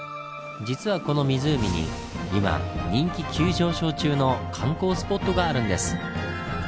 実はこの湖に今人気急上昇中の観光スポットがあるんです。